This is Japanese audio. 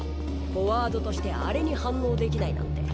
フォワードとしてあれに反応できないなんて。